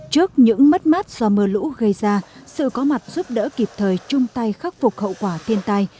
trước những mất mát do mưa lũ gây ra sự có mặt giúp đỡ kịp thời chung tay khắc phục hậu quả thiên tai